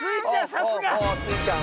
さすが！スイちゃん